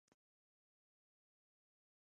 پيغام واستاوه.